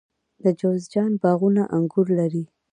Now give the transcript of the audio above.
د جوزجان باغونه انګور لري.